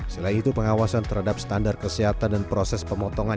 selain itu pengawasan terhadap standar kesehatan dan proses pemotongan